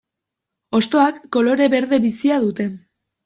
Hostoak kolore berde bizia dute.